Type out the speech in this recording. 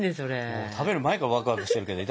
もう食べる前からワクワクしてるけど。